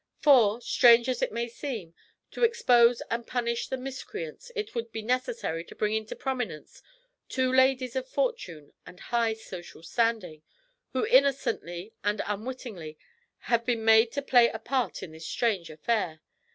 For, strange as it may seem, to expose and punish the miscreants, it would be necessary to bring into prominence two ladies of fortune and high social standing, who innocently and unwittingly have been made to play a part in this strange affair.